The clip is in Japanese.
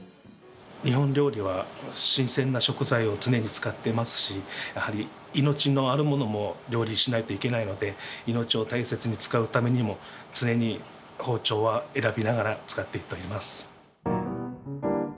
日本料理は新鮮な食材を常に使ってますしやはり命のあるものも料理しないといけないので命を大切に使うためにも常に包丁は選びながら使っていっております。